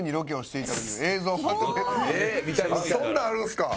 そんなんあるんすか？